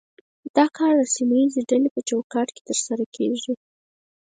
دا کار د سیمه ایزې ډلې په چوکاټ کې ترسره کیږي